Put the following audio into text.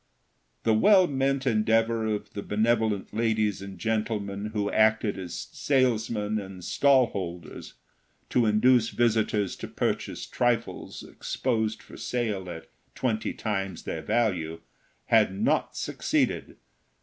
The well meant endeavor of the benevolent ladies and gentlemen who acted as salesmen and stall holders to induce visitors to purchase trifles exposed for sale at twenty times their value had not succeeded.